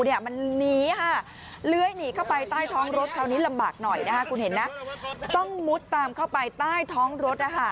มันหนีค่ะเลื้อยหนีเข้าไปใต้ท้องรถคราวนี้ลำบากหน่อยนะคะคุณเห็นนะต้องมุดตามเข้าไปใต้ท้องรถ